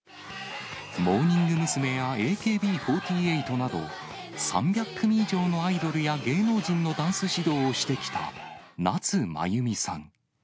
モーニング娘。やＡＫＢ４８など、３００組以上のアイドルや芸能人のダンス指導をしてきた夏まゆみさん。